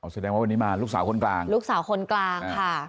สิดีนี้คือลูกสาวคนกลาง